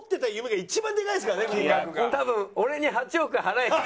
多分俺に「８億払え」って。